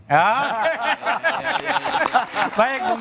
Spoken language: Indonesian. jangan dihapus karena ada yang ingin diselamatin